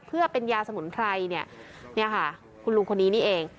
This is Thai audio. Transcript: เพื่อเป็นยาสมุนไพรเนี่ยเนี่ยค่ะคุณลุงคนนี้นี่เอง